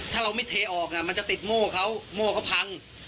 ถ้าเราไม่เทออกมันจะติดโม่เขาโม่เขาพัง